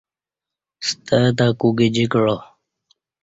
ستہ تہ کو گجی کعا